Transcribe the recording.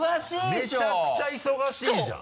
めちゃくちゃ忙しいじゃん。